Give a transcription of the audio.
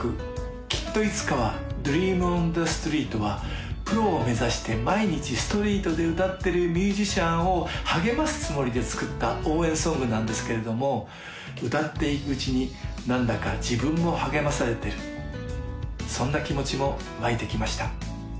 「きっといつかはＤｒｅａｍＯｎＴｈｅＳｔｒｅｅｔ」はプロを目指して毎日ストリートで歌ってるミュージシャンを励ますつもりで作った応援ソングなんですけれども歌っていくうちに何だか自分も励まされてるそんな気持ちもわいてきました